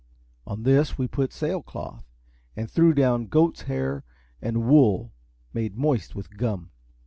On this we put sail cloth, and threw down goat's hair and wool made moist with gum.